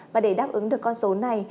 và để đáp ứng được con số này